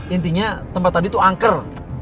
intinya tempat tadi itu angker